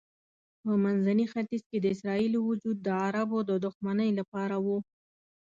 په منځني ختیځ کې د اسرائیلو وجود د عربو د دښمنۍ لپاره و.